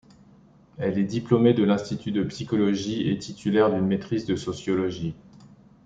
Elle est diplômée de l’institut de psychologie et titulaire d’une maîtrise de sociologie.